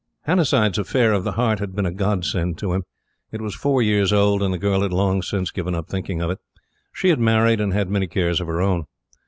Hannasyde's affair of the heart had been a Godsend to him. It was four years old, and the girl had long since given up thinking of it. She had married and had many cares of her own.